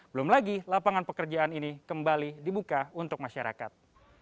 belum lagi lapangan pekerjaan ini kembali dibuka untuk masyarakat